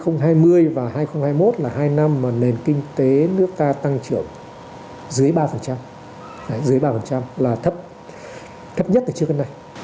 năm hai nghìn hai mươi và hai nghìn hai mươi một là hai năm mà nền kinh tế nước ta tăng trưởng dưới ba dưới ba là thấp nhất từ trước đến nay